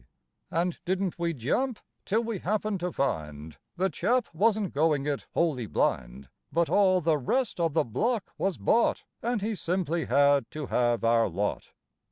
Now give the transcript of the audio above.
And didn't we jump till we happened to find The chap wasn't going it wholly blind, But all the rest of the block was bought And he simply had to have our lot.